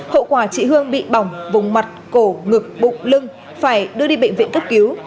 hậu quả chị hương bị bỏng vùng mặt cổ ngực bụng lưng phải đưa đi bệnh viện cấp cứu